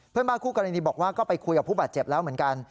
เพื่อนบ้านคู่กรณีบอกว่าก็ไปคุยกับผู้บาดเจ็บแล้วเหมือนกัน